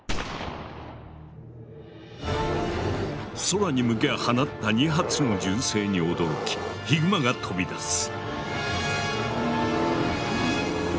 空に向け放った２発の銃声に驚きヒグマが飛び出す。